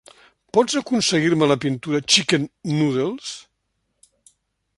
Pots aconseguir-me la pintura, Chicken Noodles?